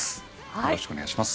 よろしくお願いします。